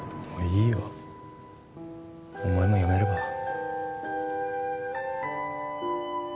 もういいよお前もやめれば？